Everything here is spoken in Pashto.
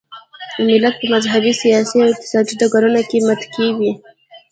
ملت په مذهبي، سیاسي او اقتصادي ډګرونو کې متکي وي.